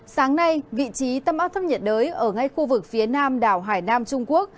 sáng nay vị trí tâm áp thấp nhiệt đới ở ngay khu vực phía nam đảo hải nam trung quốc